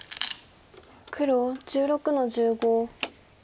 黒１６の十五。